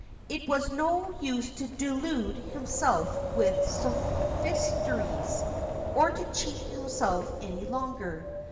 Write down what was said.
It was no use to delude himself with sophistries, or to cheat himself any longer.